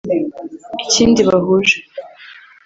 Ikindi bahuje